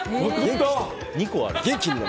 ２個ある。